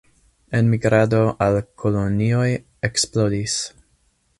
Enmigrado al la kolonioj eksplodis.